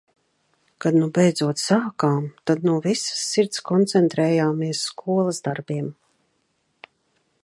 Kad nu beidzot sākām, tad no visas sirds koncentrējāmies skolas darbiem.